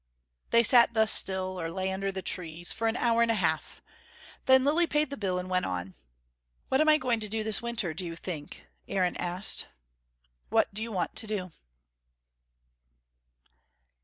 They sat thus still or lay under the trees for an hour and a half. Then Lilly paid the bill, and went on. "What am I going to do this winter, do you think?" Aaron asked. "What do you want to do?"